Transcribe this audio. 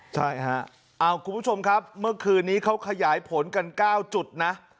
ใช่ฮะคุณผู้ชมครับเมื่อคืนนี้เขาขยายผลกัน๙จุดนะ